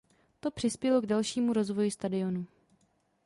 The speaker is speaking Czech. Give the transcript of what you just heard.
To přispělo k dalšímu rozvoji stadionu.